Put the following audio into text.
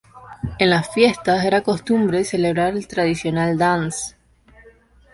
En las fiestas era costumbre celebrar el tradicional Dance.